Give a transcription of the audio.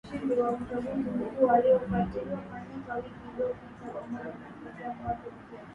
Wanamgambo wa Uganda waendeshao harakati zao mashariki mwa Kongo, wamekuwa wakiua raia katika mashambulizi ya usiku wa manane.